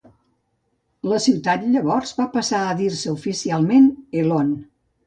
La ciutat llavors va passar a dir-se oficialment Elon.